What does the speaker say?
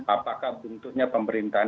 apakah bentuknya pemerintahan